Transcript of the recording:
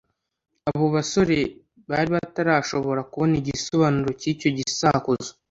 abo basore bari batarashobora kubona igisobanuro cy'icyo gisakuzo